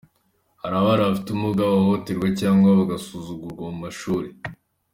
Hari abana bafite ubumuga bahohoterwa cyangwa bagasuzugurwa mu mashuri.